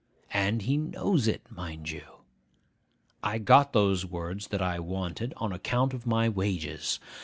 And he knows it, mind you! I got those words that I wanted on account of my wages.